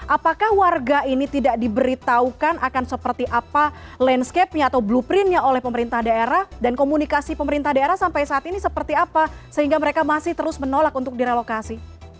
apakah warga ini tidak diberitahukan akan seperti apa landscape nya atau blueprintnya oleh pemerintah daerah dan komunikasi pemerintah daerah sampai saat ini seperti apa sehingga mereka masih terus menolak untuk direlokasi